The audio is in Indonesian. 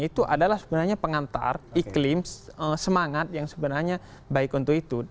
itu adalah sebenarnya pengantar iklim semangat yang sebenarnya baik untuk itu